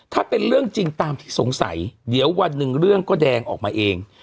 ถ้าเป็นเรื่องจริงตามที่สงสัยเดี๋ยววันหนึ่งเรื่องก็แดงออกมาเอง